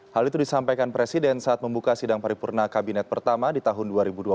hal itu disampaikan presiden saat membuka sidang paripurna kabinet pertama di tahun dua ribu dua puluh